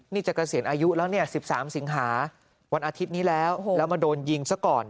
นี่จะเกษียณอายุแล้วเนี่ย๑๓สิงหาวันอาทิตย์นี้แล้วแล้วมาโดนยิงซะก่อน